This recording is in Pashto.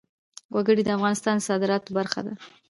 وګړي د افغانستان د صادراتو برخه ده.